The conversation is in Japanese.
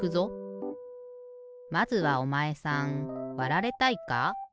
まずはおまえさんわられたいか？